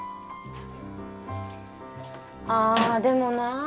ああでもなあ